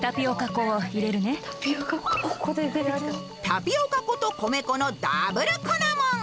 タピオカ粉と米粉のダブル粉もん！